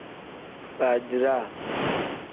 Baadiraa.